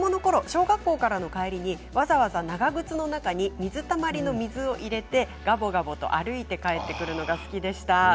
小学校からの帰りにわざわざ長靴の中に水たまりの水を入れてがぼがぼと歩いて帰ってくるのが好きでした。